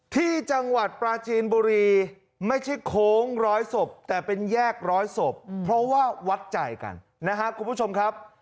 ที่จังหวัดปราจีนบุรีไม่ใช่โค้งร้อยศพแต่เป็นแยกร้อยศพเพราะว่าวัดใจกันนะครับคุณผู้ชมครับ